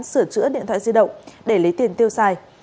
sửa chữa điện thoại di động để lấy tiền tiêu xài